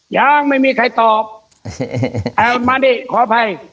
ยังไม่มีใครตอบเออมาดิขออภัย